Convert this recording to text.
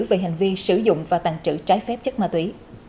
về hành vi sử dụng và tàn trữ trái phép chất ma túy